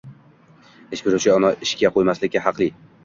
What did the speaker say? Ish beruvchi uni ishga qoʻymaslikka haqli